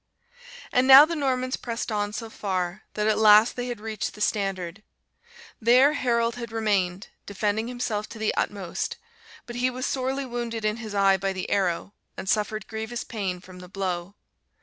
"And now the Normans pressed on so far, that at last they had reached the standard. There Harold had remained, defending himself to the utmost; but he was sorely wounded in his eye by the arrow, and suffered grievous pain from the blow.